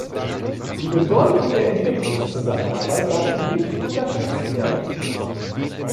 Die Bedeutung der Entwicklungszusammenarbeit darf nicht unterschätzt werden.